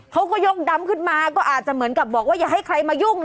เขาก็ยกดำขึ้นมาก็อาจจะเหมือนกับบอกว่าอย่าให้ใครมายุ่งนะ